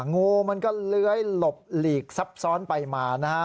งูมันก็เลื้อยหลบหลีกซับซ้อนไปมานะฮะ